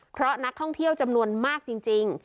เพราะนักท่องเที่ยวจำนวนมากจริง